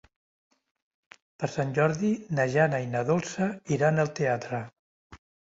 Per Sant Jordi na Jana i na Dolça iran al teatre.